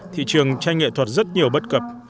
thị trường tranh nghệ thuật rất nhiều bất cập